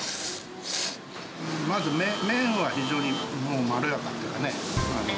まず麺は非常にもうまろやかっていうかね。